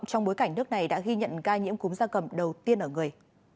trong bối cảnh nước này đã ghi nhận ca nhiễm cúng gia tầm đầu tiên ở người